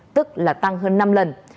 tức là tăng hơn năm lần